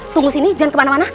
tunggu sini jangan kemana mana